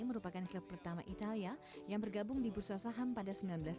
merupakan klub pertama italia yang bergabung di bursa saham pada seribu sembilan ratus sembilan puluh